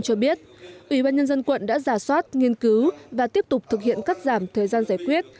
cho biết ủy ban nhân dân quận đã giả soát nghiên cứu và tiếp tục thực hiện cắt giảm thời gian giải quyết